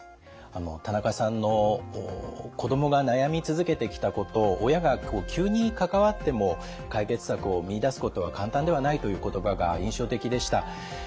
田中さんの「子どもが悩み続けてきたことを親が急に関わっても解決策を見いだすことは簡単ではない」という言葉が印象的でした。